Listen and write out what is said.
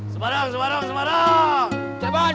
semarang semarang semarang